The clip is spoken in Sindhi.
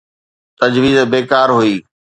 تجويز بيڪار هئي.